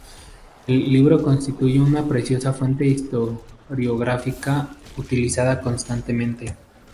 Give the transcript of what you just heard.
El libro constituye una preciosa fuente historiográfica, utilizada constantemente.